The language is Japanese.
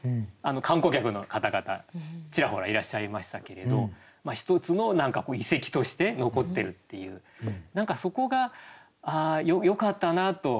観光客の方々ちらほらいらっしゃいましたけれど一つの何かこう遺跡として残ってるっていう何かそこがよかったなと。